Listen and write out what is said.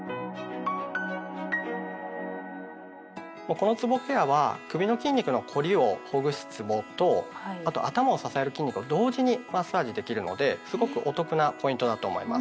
このつぼケアは首の筋肉の凝りをほぐすつぼとあと頭を支える筋肉を同時にマッサージできるのですごくお得なポイントだと思います。